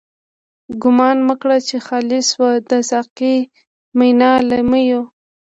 گومان مکړه چی خالی شوه، د ساقی مینا له میو